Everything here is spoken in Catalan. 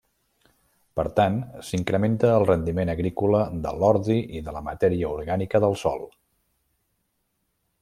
Per tant s'incrementa el rendiment agrícola de l'ordi i de la matèria orgànica del sòl.